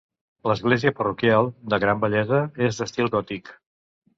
L'església parroquial, de gran bellesa, és d'estil gòtic.